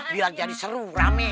biar jadi seru rame